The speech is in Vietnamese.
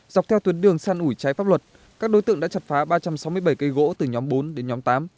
dọc theo tuyến đường săn ủi trái pháp luật các đối tượng đã chặt phá ba trăm sáu mươi bảy cây gỗ từ nhóm bốn đến nhóm tám